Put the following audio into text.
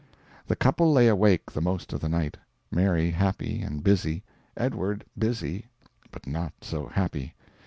The couple lay awake the most of the night, Mary happy and busy, Edward busy, but not so happy.